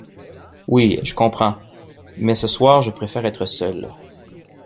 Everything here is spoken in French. Oui, je comprends, mais ce soir je préfère être seul.